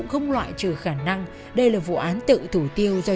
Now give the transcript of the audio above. nó ngó thử các bạn bè anh em